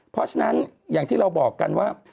เพราะฉะนั้นอย่างที่เราบอกกันว่า